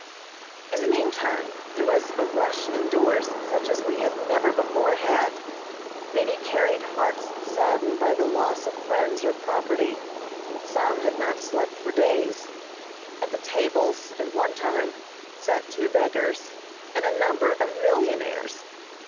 In the meantime there was "a rush" indoors such as we never before had. Many carried hearts saddened by the loss of friends or property. Some had not slept for days. At the tables, at one time, sat two beggars, and a number of millionaires.